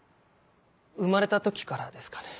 生まれた時からですかね。